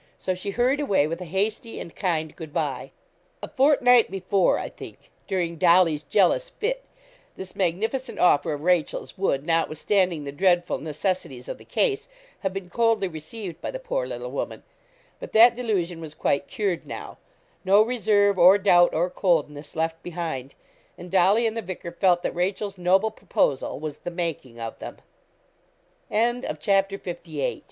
So she hurried away, with a hasty and kind good bye. A fortnight before, I think, during Dolly's jealous fit, this magnificent offer of Rachel's would, notwithstanding the dreadful necessities of the case, have been coldly received by the poor little woman. But that delusion was quite cured now no reserve, or doubt, or coldness left behind. And Dolly and the vicar felt that Rachel's noble proposal was the making of them. CHAPTER LIX. AN ENEMY IN REDMAN'S DELL. Jos.